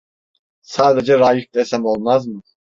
Sadece Raif desem olmaz mı?